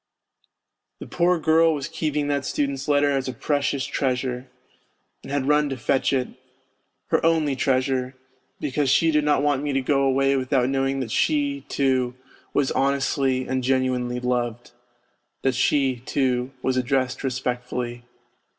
The poor girl was keeping that student's letter as a precious treasure, and had run to fetch it, her only treasure, because she did not want me to go away without knowing that she, too, was honestly and genuinely loved; that she, too, was addressed respectfully.